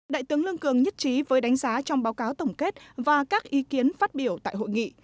đại tướng lương cường nhất trí với đánh giá trong báo cáo tổng kết và các ý kiến phát biểu tại hội nghị